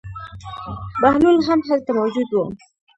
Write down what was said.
بهلول هم هلته موجود و.